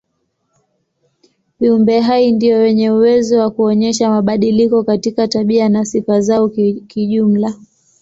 Viumbe hai ndio wenye uwezo wa kuonyesha mabadiliko katika tabia na sifa zao kijumla.